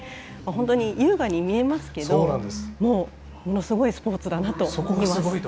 本当に優雅に見えますけどものすごいスポーツだなと思います。